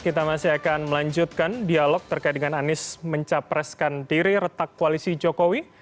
kita masih akan melanjutkan dialog terkait dengan anies mencapreskan diri retak koalisi jokowi